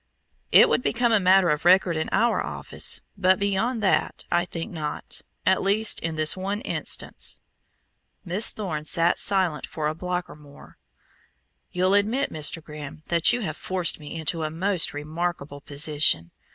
"It would become a matter of record in our office, but beyond that I think not at least in this one instance." Miss Thorne sat silent for a block or more. "You'll admit, Mr. Grimm, that you have forced me into a most remarkable position.